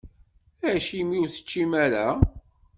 Acimi ur teččim ara?